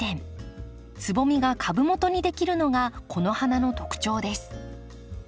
つぼみが株元にできるのがこの花の特徴です。